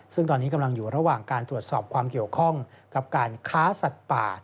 ซึ่งตอนนี้กำลังอยู่ระหว่างการตรวจสอบความเกี่ยวข้องกับการค้าสัตว์ป่า